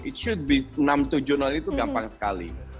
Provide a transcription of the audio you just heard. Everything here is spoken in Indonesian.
it should be enam tujuh itu gampang sekali